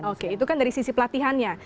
oke itu kan dari sisi pelatihannya